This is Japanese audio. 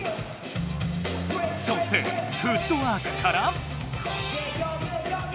そしてフットワークから。